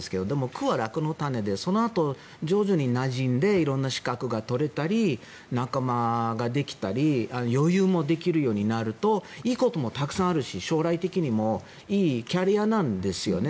苦は楽の種でそのあと徐々になじんで色んな資格が取れたり仲間ができたり余裕もできるようになるといいこともたくさんあるし将来的にもいいキャリアなんですよね。